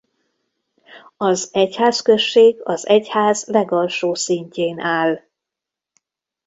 Az egyházközség az egyház legalsó szintjén áll.